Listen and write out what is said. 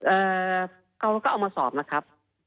เอ่อเขาก็เอามาสอบนะครับ